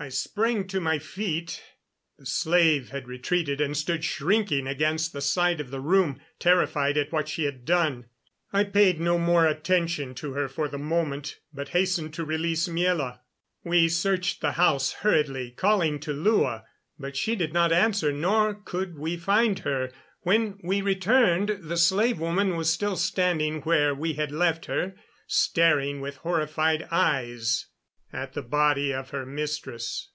I sprang to my feet. The slave had retreated and stood shrinking against the side of the room, terrified at what she had done. I paid no more attention to her for the moment, but hastened to release Miela. We searched the house hurriedly, calling to Lua; but she did not answer, nor could we find her. When we returned the slave woman was still standing where we had left her, staring with horrified eyes at the body of her mistress.